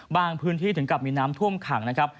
พื้นที่ถึงกับมีน้ำท่วมขังนะครับ